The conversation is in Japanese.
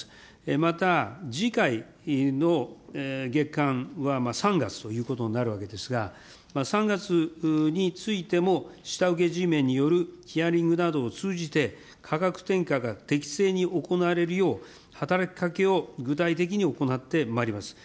また、じかいの月間は３月となるわけですが、３月についても下請けＧメンによるヒアリングなどを通じて、価格転嫁が適正に行われるよう、働きかけを具体的に行ってまいります。